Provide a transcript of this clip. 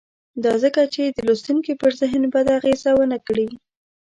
دا ځکه چې د لوستونکي پر ذهن بده اغېزه ونه کړي.